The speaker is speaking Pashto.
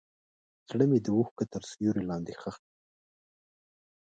زړه مې د اوښکو تر سیوري لاندې ښخ شو.